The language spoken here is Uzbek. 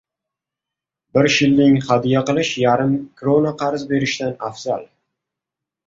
• Bir shilling hadya qilish yarim krona qarz berishdan afzal.